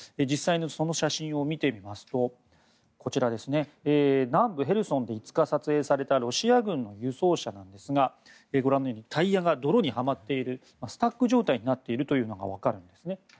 実際のその写真を見てみますとこちら、南部ヘルソンで５日に撮影されたロシア軍の輸送車なんですがご覧のようにタイヤが泥にはまっているスタック状態になっているのがわかるんですね。